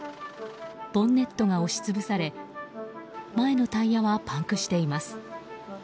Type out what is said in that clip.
ボンネットが押し潰され前のタイヤはパンクしています。